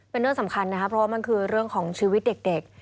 เป็นเรื่องสำคัญนะครับเพราะว่ามันคือเรื่องของชีวิตเด็ก